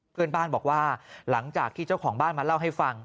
เพื่อนบ้านบอกว่าหลังจากที่เจ้าของบ้านมาเล่าให้ฟัง